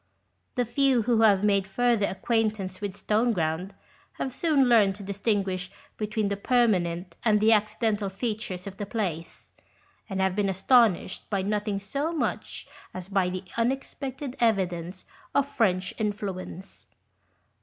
The few who have made further acquaintance with Stoneground have soon learned to distinguish between the permanent and the accidental features of the place, and have been astonished by nothing so much as by 86 OHOST TALES. the unexpected evidence of French influence.